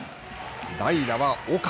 代打は岡。